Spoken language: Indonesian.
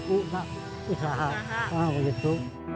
udah usaha gitu